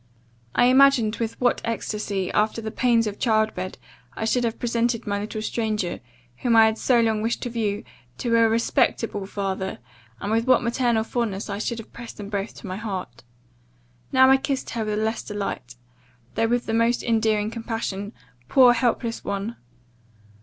I imagined with what extacy, after the pains of child bed, I should have presented my little stranger, whom I had so long wished to view, to a respectable father, and with what maternal fondness I should have pressed them both to my heart! Now I kissed her with less delight, though with the most endearing compassion, poor helpless one!